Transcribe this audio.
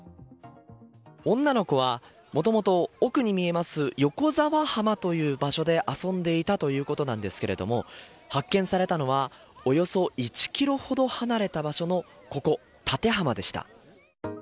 女の子はもともと奥に見えます横沢浜という場所で遊んでいたということなんですけども発見されたのはおよそ１ｋｍほど離れた場所のここ、舘浜でした。